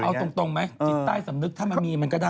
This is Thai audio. เอาตรงไหมจิตใต้สำนึกถ้ามันมีมันก็ได้